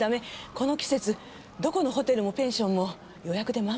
この季節どこのホテルもペンションも予約で満杯。